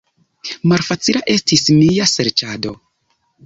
Malfacila estis mia serĉado.